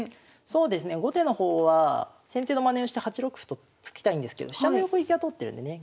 そうですね後手の方は先手のまねをして８六歩と突きたいんですけど飛車の横利きが通ってるんでね